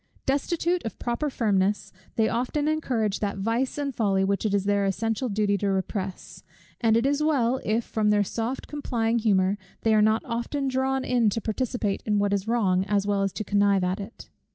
Destitute of proper firmness, they often encourage that vice and folly which it is their especial duty to repress; and it is well if, from their soft complying humour, they are not often drawn in to participate in what is wrong, as well as to connive at it.